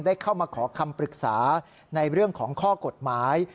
ได้เข้ามาขอคำปรึกษาในเรื่องของข้อกฎหมาย